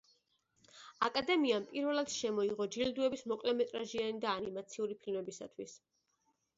აკადემიამ პირველად შემოიღო ჯილდოები მოკლემეტრაჟიანი და ანიმაციური ფილმებისთვის.